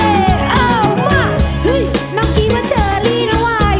เอ้ามาน้องกี้ว่าเชอรี่น้องวาย